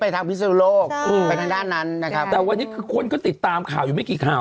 แต่วันนี้คนก็ติดตามข่าวอยู่ไม่กี่ข่าว